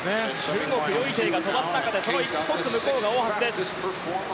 中国、ヨ・イテイが飛ばす中でその奥が大橋です。